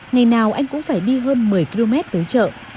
ngày nào anh cũng phải đi hơn một mươi km tới chợ